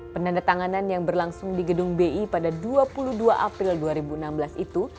penandatanganan yang berlangsung di gedung bi pada dua puluh dua april dua ribu enam belas itu